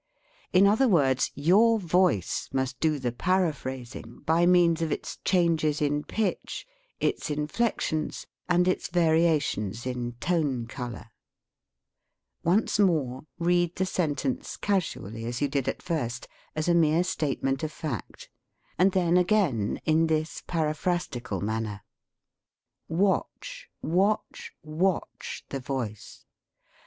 In other words, your voice must do the paraphrasing, 43 THE SPEAKING VOICE 'by means of its changes in pitch, its inflec tions, and its variations in tone color. Once more read the sentence casually as you did at first, as a mere statement of fact, and then again in this paraphrastical manner. Watch, watch, watch the voice.